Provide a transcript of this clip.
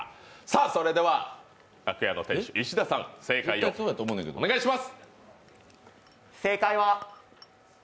それでは、がくやの店主石田さん、正解をお願いします。